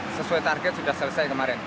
sesuai target sudah selesai kemarin